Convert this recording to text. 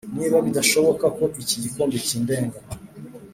niba bidashoboka ko iki gikombe kindenga